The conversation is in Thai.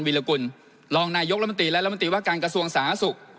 วิรกุลรองนายกรัฐมนตรีและรัฐมนตรีว่าการกระทรวงสาธารณสุข